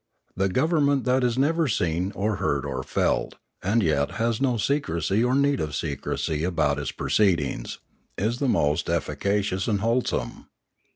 The government that is never seen or heard or felt, and yet has no Polity 523 secrecy or need of secrecy about its proceedings, is the J most efficacious and wholesome.